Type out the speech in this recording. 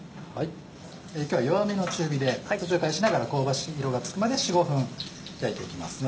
今日は弱めの中火で途中返しながら香ばしい色がつくまで４５分焼いていきますね。